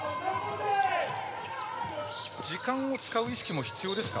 時間を使う意識も必要ですか？